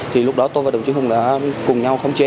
thì lúc đó tôi và đồng chí hùng đã cùng nhau khống chế